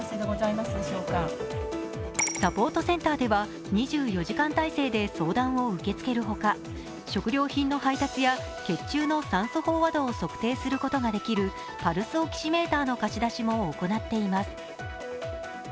サポートセンターでは２４時間体制で相談を受け付けるほか食料品の配達や血中の酸素飽和度を測定することができるパルスオキシメーターの貸し出しも行っています。